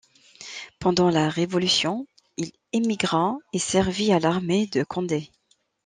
Pendant la Révolution, il émigra et servit à l'armée de Condé.